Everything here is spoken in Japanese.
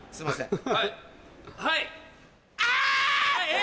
え？